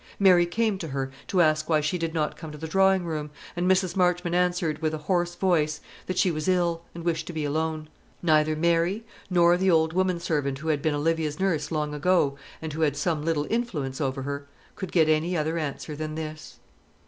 Mary came to her to ask why she did not come to the drawing room, and Mrs. Marchmont answered, with a hoarse voice, that she was ill, and wished to be alone. Neither Mary, nor the old woman servant who had been Olivia's nurse long ago, and who had some little influence over her, could get any other answer than this.